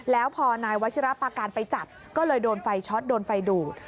แล้วพอนายวัชิระปาการไปจับก็เลยโดนไฟช็อตโดนไฟดูด